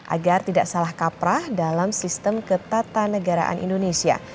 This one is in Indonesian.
agar tidak salah kaprah dalam sistem ketatanegaraan indonesia